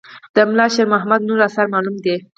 د ملا شیر محمد نور آثار معلوم دي.